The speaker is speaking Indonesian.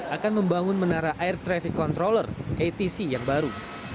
akan membangun menara air traffic controller atc yang baru